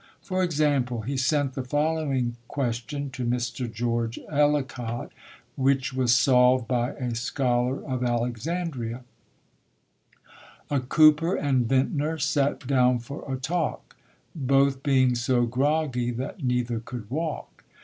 For example, he sent the following question to Mr. George Ellicott, which was solved by a scholar of Alexandria: 160 ] UNSUNG HEROES A Cooper and Vintner sat down for a talk, Both being so groggy, that neither could walk.